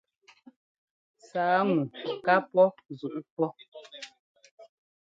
Sǎa ŋu ŋkaa pɔ́ zuʼu pɔ́.